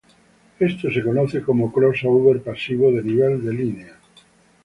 Esto se conoce como crossover pasivo de nivel de línea.